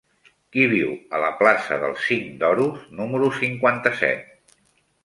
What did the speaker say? Qui viu a la plaça del Cinc d'Oros número cinquanta-set?